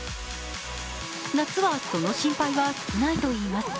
夏はその心配は少ないといいます。